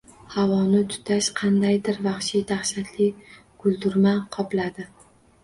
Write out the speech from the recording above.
Havoni tutash, qandaydir vahshiy, dahshatli guldurama qopladi